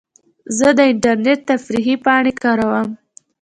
زه د انټرنیټ تفریحي پاڼې کاروم.